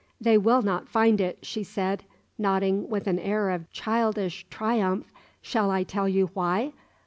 "They will not find it," she said, nodding with an air of childish triumph. "Shall I tell you why?